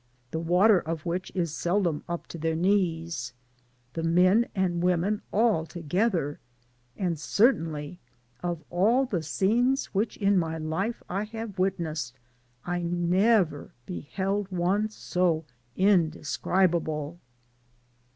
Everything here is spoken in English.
the water of which is seldom up to their knees, the men and women all together ; and certainly, of all the scenes which in my life I have witnessed^ I never beheld one so indescribable.